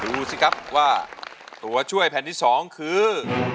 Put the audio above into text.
ดูสิครับว่าตัวช่วยแผ่นที่๒คือ